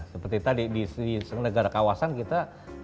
seperti tadi di negara kawasan kita